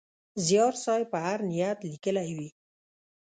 زیار صېب په هر نیت لیکلی وي.